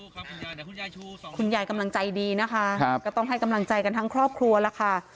คุณยายกำลังใจดีนะคะก็ต้องให้กำลังใจกันทั้งครอบครัวล่ะค่ะ